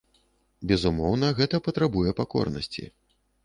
Безумоўна, гэта патрабуе пакорнасці.